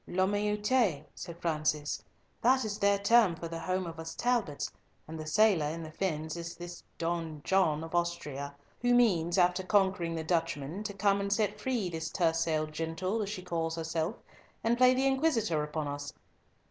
"La meute," said Francis, "that is their term for the home of us Talbots, and the sailor in the fens is this Don John of Austria, who means, after conquering the Dutchmen, to come and set free this tercel gentle, as she calls herself, and play the inquisitor upon us.